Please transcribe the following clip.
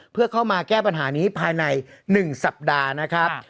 เพื่อเข้ามาแก้ปัญหานี้ภายใน๑สัปดาห์นะครับ